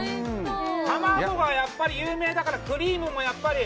卵がやっぱり有名だからクリームもやっぱり。